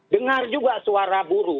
dengar juga suara buru